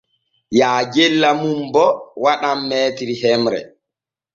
Yaajella mum bo waɗa m hemre.